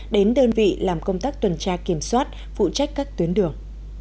đến đơn vị làm công tác tuần tra kiểm soát phụ trách các tuyến đường